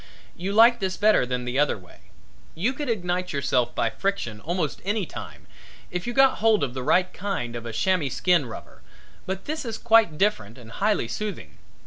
You like this better than the other way. You could ignite yourself by friction almost any time, if you got hold of the right kind of a chamois skin rubber, but this is quite different and highly soothing.